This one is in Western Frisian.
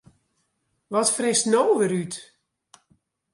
Wat fretst no wer út?